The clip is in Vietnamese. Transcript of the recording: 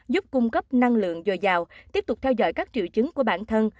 giúp cung cấp năng lượng dồi dào tiếp tục theo dõi các triệu chứng của bản thân